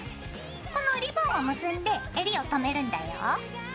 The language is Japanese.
このリボンを結んでえりを留めるんだよ。